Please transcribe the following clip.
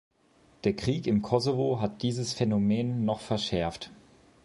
Der Krieg im Kosovo hat dieses Phänomen noch verschärft.